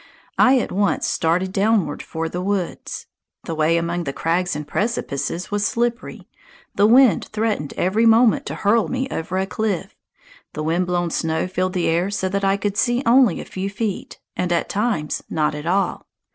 I at once started downward for the woods. The way among the crags and precipices was slippery; the wind threatened every moment to hurl me over a cliff; the wind blown snow filled the air so that I could see only a few feet, and at times not at all.